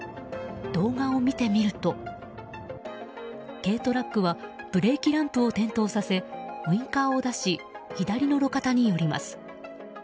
動画を見てみると軽トラックはブレーキランプを点灯させウインカーを出し左の路肩に寄ります。